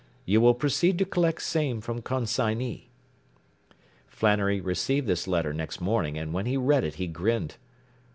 You will proceed to collect same from consignee.” Flannery received this letter next morning, and when he read it he grinned.